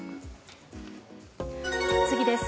次です。